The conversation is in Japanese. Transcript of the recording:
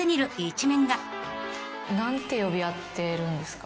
何て呼び合ってるんですか？